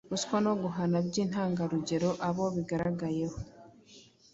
ruswa no guhana by’intangarugero abo igaragayeho